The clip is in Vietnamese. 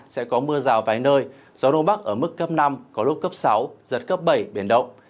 sẽ có mưa rào vài nơi gió đông bắc ở mức cấp năm có lúc cấp sáu giật cấp bảy biển động